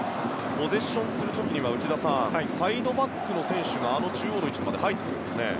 ポゼッションする時にはサイドバックの選手が中央の位置まで入るんですね。